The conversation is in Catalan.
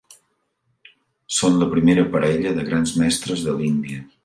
Són la primera parella de Grans Mestres de l'Índia.